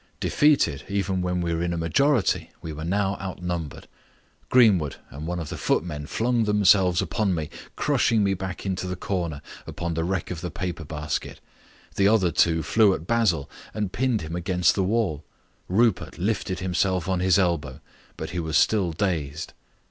Defeated even when we were in a majority, we were now outnumbered. Greenwood and one of the footmen flung themselves upon me, crushing me back into the corner upon the wreck of the paper basket. The other two flew at Basil, and pinned him against the wall. Rupert lifted himself on his elbow, but he was still dazed.